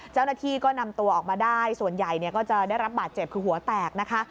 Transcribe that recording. เจ้าหน้าที่ก็นำตัวออกมาได้ส่วนใหญ่ก็จะได้รับบาดเจ็บคือหัวแตกนะคะ